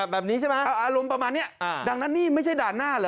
แบบนี้ใช่ไหมอารมณ์ประมาณนี้ดังนั้นนี่ไม่ใช่ด่านหน้าเหรอ